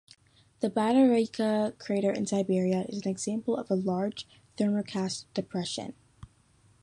The Batagaika crater in Siberia is an example of a large thermokarst depression.